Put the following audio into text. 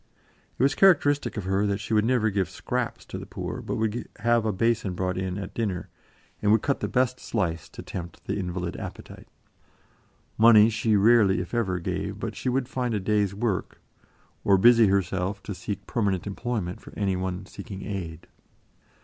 It was characteristic of her that she would never give "scraps" to the poor, but would have a basin brought in at dinner, and would cut the best slice to tempt the invalid appetite. Money she rarely, if ever, gave, but she would find a day's work, or busy herself to seek permanent employment for any one seeking aid.